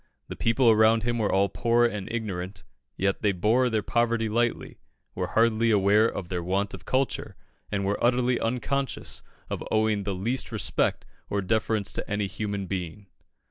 The people around him were all poor and ignorant, yet they bore their poverty lightly, were hardly aware of their want of culture, and were utterly unconscious of owing the least respect or deference to any human being.